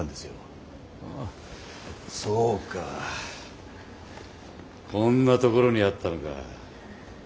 そうかこんなところにあったのか。